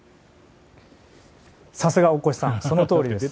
さすが大越さんそのとおりです。